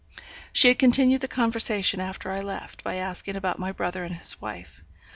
She had continued the conversation after I left, by asking about my brother and his wife.